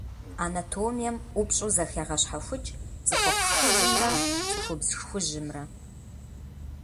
Анатомием ӏупщӏу зэхегъэщхьэхукӏ цӏыхухъу шхужьымрэ цӏыхубз шхужьымрэ.